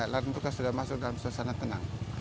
larantuka sudah masuk dalam suasana tenang